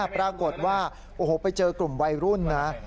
ปรากฏว่าโอ้โหไปเจอกลุ่มวัยรุ่นนะ